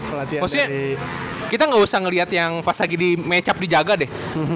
maksudnya kita ga usah ngeliat yang pas lagi di match up dijaga deh